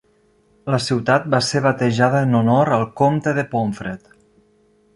La ciutat va ser batejada en honor al Comte de Pomfret.